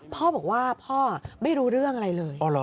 พ่อบอกว่าพ่อไม่รู้เรื่องอะไรเลย